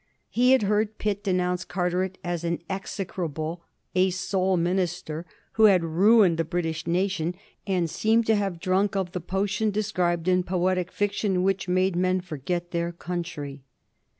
He had heard Pitt denounce Carteret as "an execrable, a sole minister, who had ruined the British nation, and seemed to have drunk of the potion described in poetic fiction which made men forget their country."